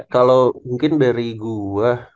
kalau mungkin dari gua